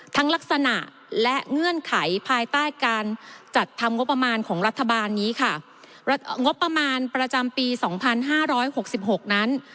ลักษณะและเงื่อนไขภายใต้การจัดทำงบประมาณของรัฐบาลนี้ค่ะงบประมาณประจำปีสองพันห้าร้อยหกสิบหกนั้น